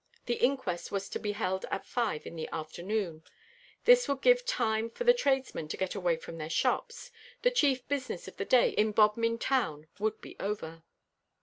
The inquest was to be held at five in the afternoon. This would give time for the tradesmen to get away from their shops. The chief business of the day in Bodmin town would be over.